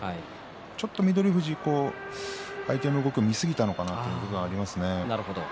ちょっと翠富士、相手のことを見すぎたのかなというところがありますね。